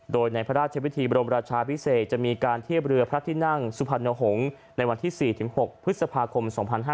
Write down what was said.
โดยในพระราชวิธีบรมราชาพิเศษจะมีการเทียบเรือพระที่นั่งสุพรรณหงษ์ในวันที่๔๖พฤษภาคม๒๕๕๙